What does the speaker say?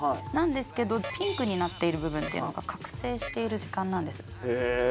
なんですけどピンクになっている部分っていうのが覚醒している時間なんです。へえ！